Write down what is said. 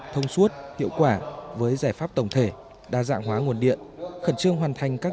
thông suốt hiệu quả với giải pháp tổng thể đa dạng hóa nguồn điện khẩn trương hoàn thành các